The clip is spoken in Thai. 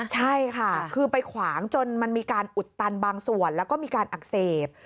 ใช่ค่ะคือไปขวางจนมันมีการอุดตันบางส่วนแล้วก็มีการอักเสบ